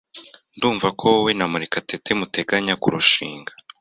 Ndumva ko wowe na Murekatete muteganya kurushinga.